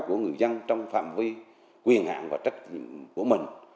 của người dân trong phạm vi quyền hạn và trách nhiệm của mình